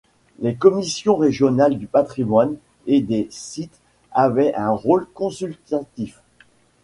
Les commissions régionales du patrimoine et des sites avaient un rôle consultatif.